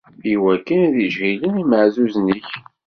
Iwakken ad iǧhiden imaɛzuzen-ik.